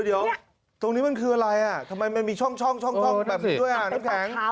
เดี๋ยวตรงนี้มันคืออะไรอ่ะทำไมมันมีช่องแบบนี้ด้วยน้ำแข็ง